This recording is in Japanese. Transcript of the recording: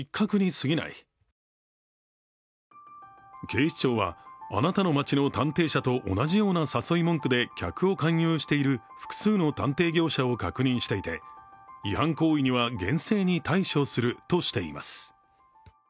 警視庁は、あなたの街の探偵社と同じような誘い文句で客を勧誘している複数の探偵業者を確認していて違反行為には厳正に対処するとしています。